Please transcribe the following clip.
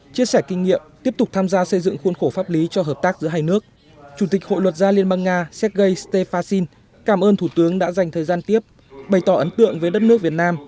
chia sẻ kinh nghiệm tiếp tục tham gia xây dựng khuôn khổ pháp lý cho hợp tác giữa hai nước